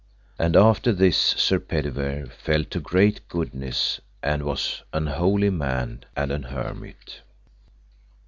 And after this Sir Pedivere fell to great goodness, and was an holy man and an hermit.